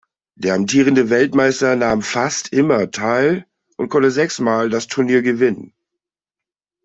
Der amtierende Weltmeister nahm fast immer teil und konnte sechsmal das Turnier gewinnen.